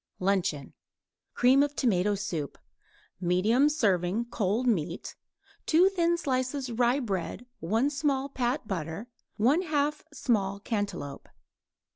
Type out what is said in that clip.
LUNCHEON Cream of tomato soup; medium serving cold meat; 2 thin slices rye bread; 1 small pat butter; 1/2 small cantaloupe.